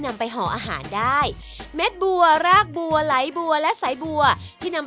นำไปห่ออาหารได้เม็ดบัวรากบัวไหลบัวและสายบัวที่นำ